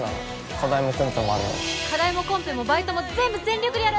課題もコンペもあるのに課題もコンペもバイトも全部全力でやる！